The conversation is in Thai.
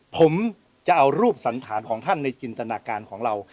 ผมจะเอารูปสันฐานของท่านในจินตนาการของเรา